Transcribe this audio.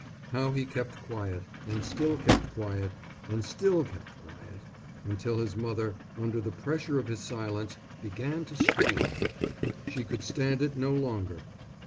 How he kept quiet, and still kept quiet, and still kept quiet, until his mother, under the pressure of his silence, began to scream. She could stand it no longer.